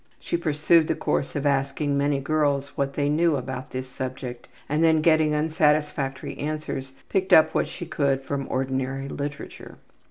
She pursued the course of asking many girls what they knew about this subject and then, getting unsatisfactory answers, picked up what she could from ordinary literature.